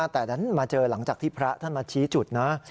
แต่ดันมาเจอหลังจากที่พระท่านมาชี้จุดนะ